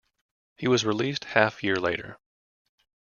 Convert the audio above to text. He was released half year later.